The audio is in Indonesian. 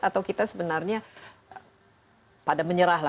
atau kita sebenarnya pada menyerah lah